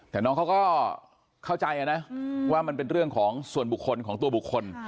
แต่น้องเขาก็เข้าใจนะว่ามันเป็นเรื่องของส่วนบุคคลของตัวบุคคล